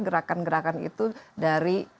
gerakan gerakan itu dari